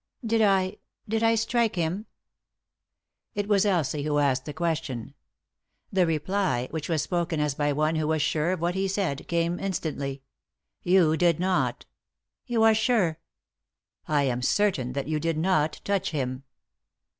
"Did I— did I strike him 7 " It was Elsie who asked the question. The reply, which was spoken as by one who was sure of what he said, came instantly. "You did not" " Yon are sure ?" "I am certain that you did not touch him."